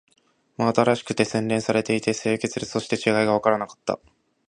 真新しくて、洗練されていて、清潔で、そして違いがわからなかった